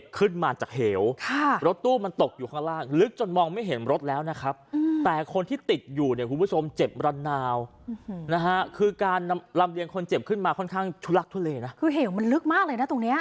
ขึ้นมาค่อนข้างทุลักษณ์ทุเรนะคือเหี่ยวมันลึกมากเลยนะตรงเนี้ย